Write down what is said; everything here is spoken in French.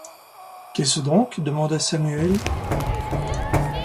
Qu’est-ce donc ? demanda Samuel.